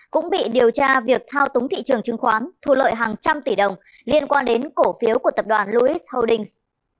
cũng bị điều tra việc thao túng thị trường chứng khoán thu lợi hàng trăm tỷ đồng liên quan đến cổ phiếu của tập đoàn lois holdings